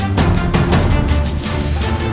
aku akan pergi ke istana yang lain